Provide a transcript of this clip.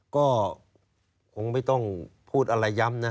ก็คงไม่ต้องพูดอะไรย้ำนะ